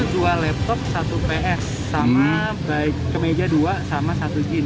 dua laptop satu ps sama baik kemeja dua sama satu gin